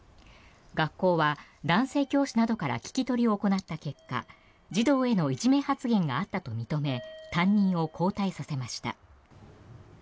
学校は男性教師などから聞き取りを行った結果児童へのいじめ発言があったと認め、担任を交代させました。